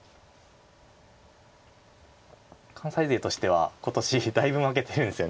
関西勢としては今年だいぶ負けてるんですよね